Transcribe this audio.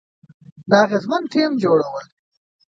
د اغیزمن ټیم جوړول،